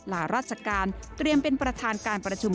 ราชการเตรียมเป็นประธานการประชุม